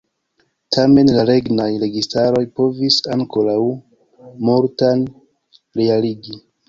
Tamen la regnaj registaroj povis ankoraŭ multan realigi.